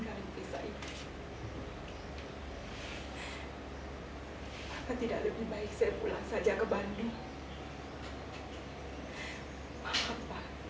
hai apa tidak lebih baik saya pulang saja ke bandung